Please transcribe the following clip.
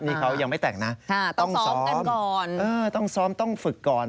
นี่เขายังไม่แต่งนะต้องซ้อมกันก่อนต้องซ้อมต้องฝึกก่อน